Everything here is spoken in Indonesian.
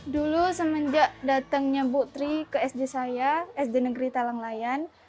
dulu semenjak datangnya bu tri ke sd saya sd negeri talang layan